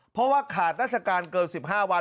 เพราะว่าขาดราชการเกิน๑๕วัน